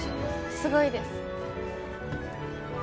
すごいです。